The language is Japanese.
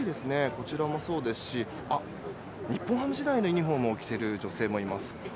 こちらもそうですし日本ハム時代のユニホームを着ている女性もいます。